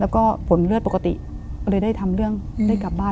ก็เลยได้ทำเรื่องได้กลับบ้าน